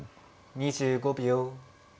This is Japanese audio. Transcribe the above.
２５秒。